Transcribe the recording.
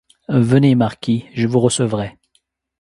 Venez, marquis, je vous recevrai.